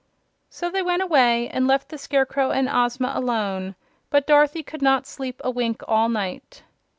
So they went away and let the Scarecrow and Ozma alone; but Dorothy could not sleep a wink all night.